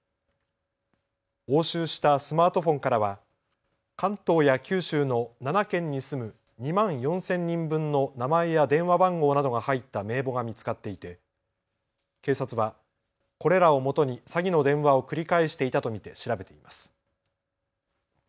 押収したスマートフォンからは関東や九州の７県に住む２万４０００人分の名前や電話番号などが入った名簿が見つかっていて警察はこれらをもとに詐欺の電話を繰り返していたと見て調べています。